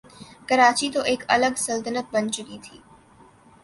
کراچی تو ایک الگ سلطنت بن چکی تھی۔